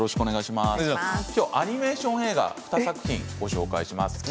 今日はアニメーション映画を２作品ご紹介します。